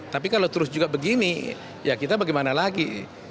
tapi kalau terus juga begini ya kita bagaimana lagi